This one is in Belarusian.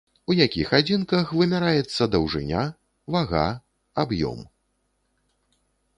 У якіх адзінках вымяраецца даўжыня, вага, аб'ём?